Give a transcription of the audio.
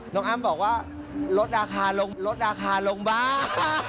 น้องอ้ำบอกว่าลดอาคารลงบ้าง